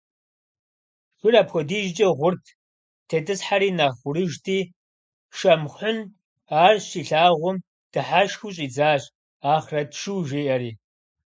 Шыр апхуэдизкӀэ гъурт, тетӀысхьари нэхъ гъурыжти, Шамхьун ар щилъагъум, дыхьэшхыу щӀидзащ, «Ахърэт шу» жиӀэри.